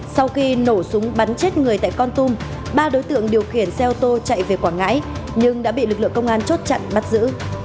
sau khi nổ súng bắn chết người tại con tum ba đối tượng điều khiển xe ô tô chạy về quảng ngãi nhưng đã bị lực lượng công an chốt chặn bắt giữ